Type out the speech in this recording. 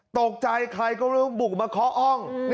ตกใจใครก็บุกมาเคาะอ้อง